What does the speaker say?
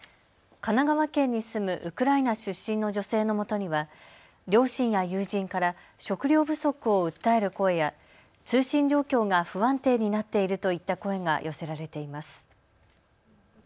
神奈川県に住むウクライナ出身の女性のもとには両親や友人から食料不足を訴える声や通信状況が不安定になっているといった声が寄せられています。